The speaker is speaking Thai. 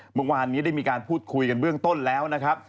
เมื่อวานนี้ได้มีการพูดคุยกันเบื้องต้นแล้วนะครับ